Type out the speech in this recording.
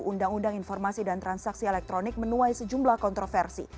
undang undang informasi dan transaksi elektronik menuai sejumlah kontroversi